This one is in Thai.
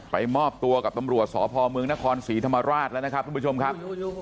มอบตัวกับตำรวจสพเมืองนครศรีธรรมราชแล้วนะครับทุกผู้ชมครับ